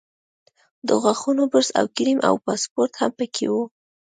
د غاښونو برس او کریم او پاسپورټ هم په کې وو.